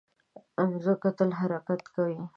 مځکه تل حرکت کوي.